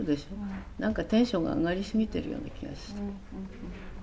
何かテンションが上がりすぎてるような気がする。